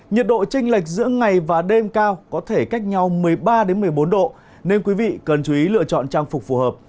nhiệt độ tranh lệch giữa ngày và đêm cao có thể cách nhau một mươi ba một mươi bốn độ nên quý vị cần chú ý lựa chọn trang phục phù hợp